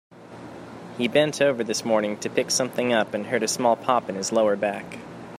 He bent over this morning to pick something up and heard a small pop in his lower back.